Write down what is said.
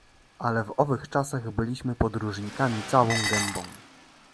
"Ale w owych czasach byliśmy podróżnikami całą gębą!"